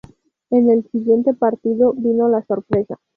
En el siguiente partido vino la sorpresa.